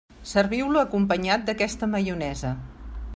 Serviu-lo acompanyat d'aquesta maionesa.